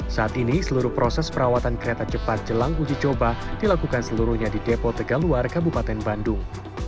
saat ini seluruh proses perawatan kereta cepat jelang uji coba dilakukan seluruhnya di depo tegaluar kabupaten bandung